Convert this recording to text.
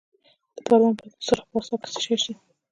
د پروان په سرخ پارسا کې څه شی شته؟